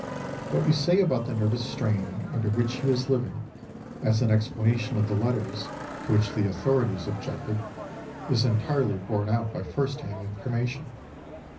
What you say about the nervous strain under which he was living, as an explanation of the letters to which the authorities objected, is entirely borne out by first hand information.